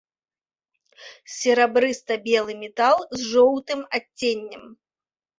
Серабрыста-белы метал з жоўтым адценнем.